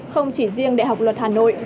không chỉ riêng đại học luật hà nội